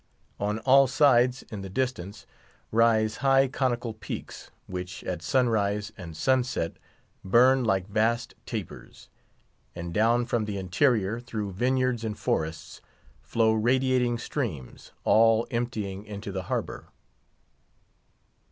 On all sides, in the distance, rise high conical peaks, which at sunrise and sunset burn like vast tapers; and down from the interior, through vineyards and forests, flow radiating streams, all emptying into the harbour.